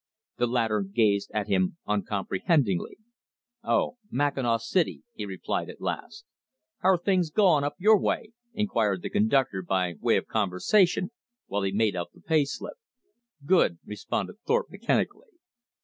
The latter gazed at him uncomprehendingly. "Oh! Mackinaw City," he replied at last. "How're things going up your way?" inquired the conductor by way of conversation while he made out the pay slip. "Good!" responded Thorpe mechanically.